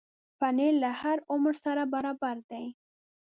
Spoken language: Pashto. پنېر له هر عمر سره برابر دی.